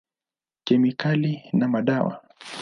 Kemikali na madawa.